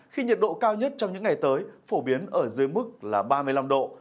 khi nhiệt độ cao nhất trong những ngày tới phổ biến ở dưới mức là ba mươi năm độ